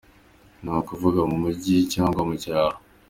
Ni ukuvuga mu mujyi cyangwa mu cyaro.